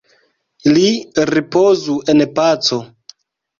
Li ripozu en paco!